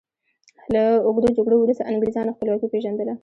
له اوږدو جګړو وروسته انګریزانو خپلواکي وپيژندله.